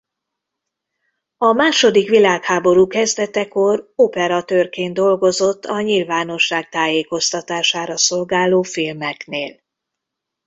A második világháború kezdetekor operatőrként dolgozott a nyilvánosság tájékoztatására szolgáló filmeknél.